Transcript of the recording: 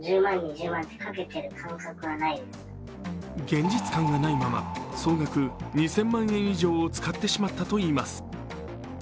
現実感がないまま、総額２０００万円以上を使ってしまったといいます。